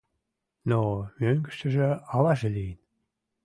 Но мӧҥгыштыжӧ аваже лийын!